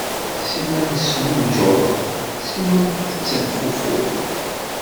Simmal tesmunjuṛeḍ, simmal tettenfufud.